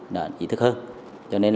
để giải thích hơn